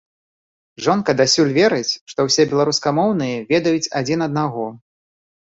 Жонка дасюль верыць, што ўсе беларускамоўныя ведаюць адзін аднаго.